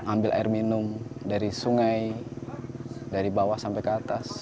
ambil air minum dari sungai dari bawah sampai ke atas